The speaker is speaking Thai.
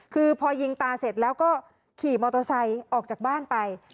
คือพอยิงตาเสร็จแล้วก็ขี่มอเตอร์ไซค์ออกจากบ้านไป